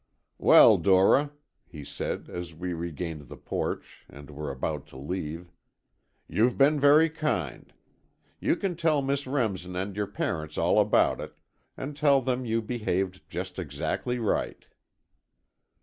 "Well, Dora," he said, as we regained the porch, and were about to leave. "You've been very kind. You can tell Miss Remsen and your parents all about it, and tell them you behaved just exactly right."